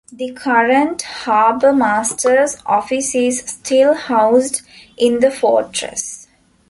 The current harbor master's office is still housed in the fortress.